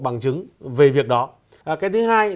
bằng chứng về việc đó cái thứ hai